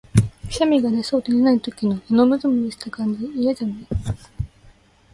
くしゃみが出そうで出ない時の、あのむずむずした感じ、嫌じゃない？